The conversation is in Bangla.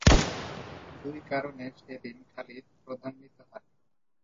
দুই কারণে সেদিন খালিদ ক্রোধান্বিত হয়।